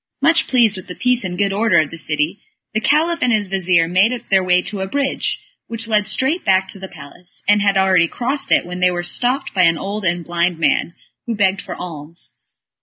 Much pleased with the peace and good order of the city, the Caliph and his vizir made their way to a bridge, which led straight back to the palace, and had already crossed it, when they were stopped by an old and blind man, who begged for alms.